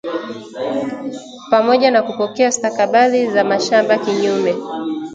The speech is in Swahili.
pamoja na Kupokea stakabadhi za mashamba kinyume